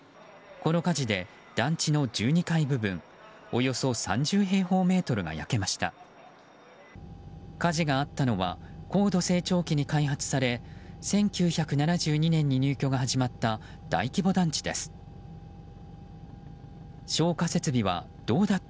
この火事で団地の１２階部分およそ３０平方メートルが焼けました。